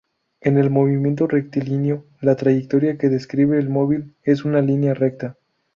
En el movimiento rectilíneo, la trayectoria que describe el móvil es una línea recta.